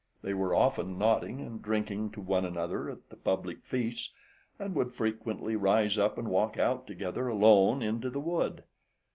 They were often nodding and drinking to one another at the public feasts, and would frequently rise up and walk out together alone into the wood.